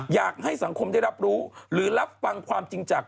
อยากให้สังคมได้รับรู้หรือรับฟังความจริงจาก